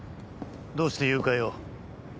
どうして誘拐を？